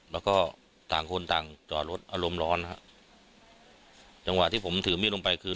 แล้วก็ต่างคนต่างจอดรถอารมณ์ร้อนฮะจังหวะที่ผมถือมีดลงไปคือ